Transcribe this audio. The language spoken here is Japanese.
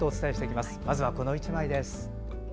まずはこの１枚です。